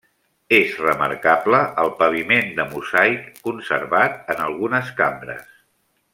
És remarcable el paviment de mosaic conservat en algunes cambres.